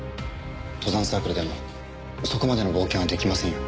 登山サークルでもそこまでの冒険はできませんよ。